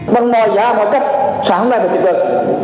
bất ngờ mọi cách trả hống ngay và trực tuyến